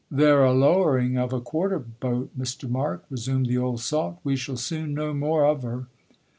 'They're a lowering of a quarter boat, Mr. Mark,' resumed the old salt. 'We shall soon know more of her.'